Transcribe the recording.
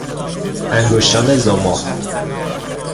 انگشتان زمخت